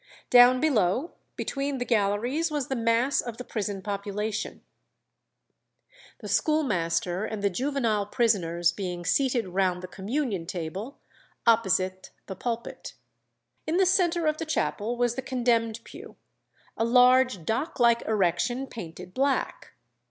Down below between the galleries was the mass of the prison population; the schoolmaster and the juvenile prisoners being seated round the communion table, opposite the pulpit. In the centre of the chapel was the condemned pew, a large dock like erection painted black.